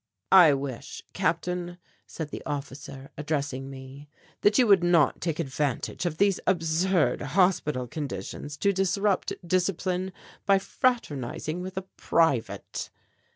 "I wish, Captain," said the officer addressing me, "that you would not take advantage of these absurd hospital conditions to disrupt discipline by fraternizing with a private."